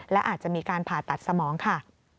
และอาจจะมีการผ่าตัดสมองค่ะ